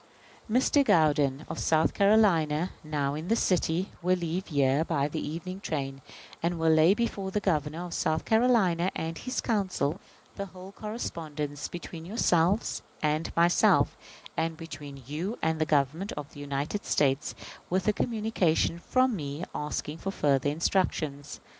Mr. Gourdin, of South Carolina, now in this city, will leave here by the evening's train, and will lay before the Governor of South Carolina and his Council the whole correspondence between yourselves and myself, and between you and the Government of the United States, with a communication from me, asking further instructions.